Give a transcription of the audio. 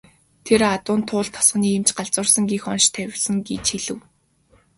Тэр адуунд Туул тосгоны эмч "галзуурсан" гэх онош тавьсан гэж гэв.